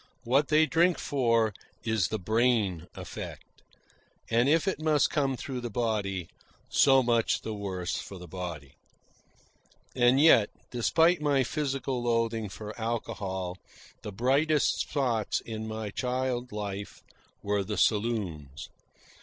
What they drink for is the brain effect; and if it must come through the body, so much the worse for the body. And yet, despite my physical loathing for alcohol, the brightest spots in my child life were the saloons.